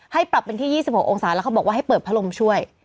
ให้ปรับเป็นที่๒๖องศาแล้วเขาบอกว่าให้เปิดพัดลมช่วย